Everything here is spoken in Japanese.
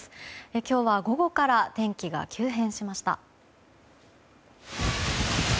今日は午後から天気が急変しました。